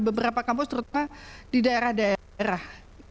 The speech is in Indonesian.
beberapa kampus terutama di daerah daerah